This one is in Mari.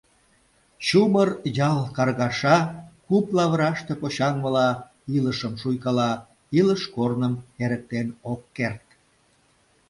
Чумыр ял каргаша, куп лавыраште почаҥмыла, илышым шуйкала, илыш корным эрыктен ок керт.